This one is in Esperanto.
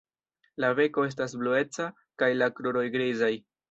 La beko estas blueca kaj la kruroj grizaj.